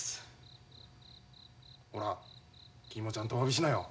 ほら君もちゃんとおわびしなよ。